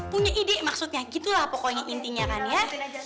punya ide maksudnya gitulah pokoknya intinya kan ya